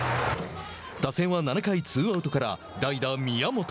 打線は７回ツーアウトから代打宮本。